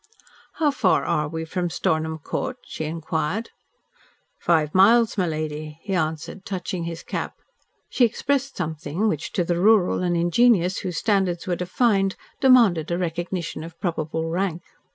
"How far are we from Stornham Court?" she inquired. "Five miles, my lady," he answered, touching his cap. She expressed something which to the rural and ingenuous, whose standards were defined, demanded a recognition of probable rank.